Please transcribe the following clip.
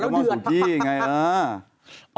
เออแล้วเดือด